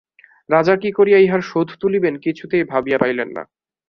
রাজা কী করিয়া ইহার শোধ তুলিবেন কিছুতেই ভাবিয়া পাইলেন না।